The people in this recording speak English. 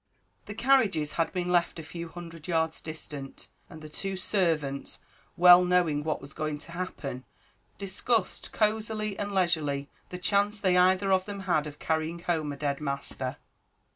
The carriages had been left a few hundred yards distant, and the two servants, well knowing what was going to happen, discussed cosily and leisurely the chance they either of them had of carrying home a dead master.